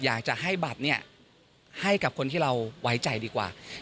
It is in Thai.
อยากจะให้บัตรเนี่ยให้กับคนที่เราไว้ใจดีกว่า